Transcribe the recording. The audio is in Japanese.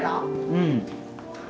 うん。